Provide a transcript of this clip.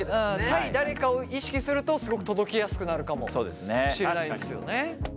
対誰かを意識するとすごく届きやすくなるかもしれないですよね。